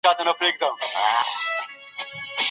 کمپيوټر اپس انسټالوي.